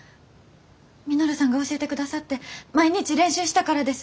稔さんが教えてくださって毎日練習したからです。